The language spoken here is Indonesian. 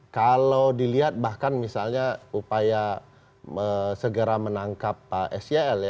kalau dilihat bahkan misalnya upaya segera menangkap sel